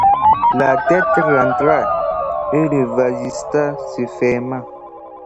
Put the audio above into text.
La tête rentra, et le vasistas se ferma.